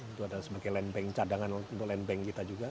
itu ada sebagai cadangan untuk land bank kita juga